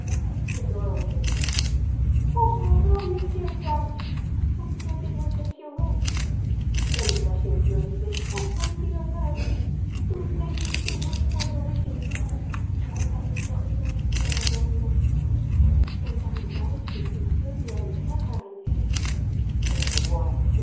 The door opened. "Oh, pardon, Monsieur Jack, I thought it was Monsieur West," then blushing furiously, "Oh, I see you have heard! Oh, thank you so much for your wishes, and I'm sure we love each other very much, and I'm dying to see Sylvia and tell her and " "And what?"